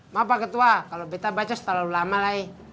maaf pak ketua kalo beta baca sudah terlalu lama lagi